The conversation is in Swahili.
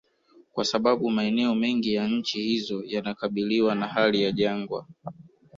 Kwa sababu maeneo mengi ya nchi hizo yanakabiliwa na hali ya jangwa